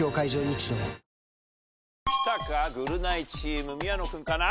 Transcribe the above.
「ぐるナイチーム」宮野君かな？